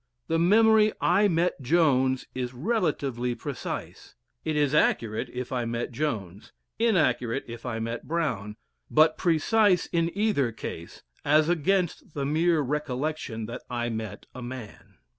The memory "I met Jones" is relatively precise. It is accurate if I met Jones, inaccurate if I met Brown, but precise in either case as against the mere recollection that I met a man.